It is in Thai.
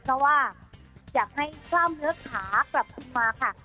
เพราะว่าอยากให้กล้ามเนื้อขากลับขึ้นมาค่ะ